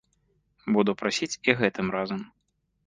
Буду прасіць і гэтым разам.